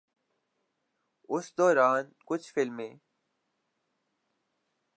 اس دوران کچھ فلمیں